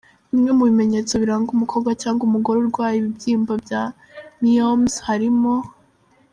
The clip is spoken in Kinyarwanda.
Bimwe mu bimenyetso biranga umukobwa cyangwa umugore urwaye ibibyimba bya myomes harimo:.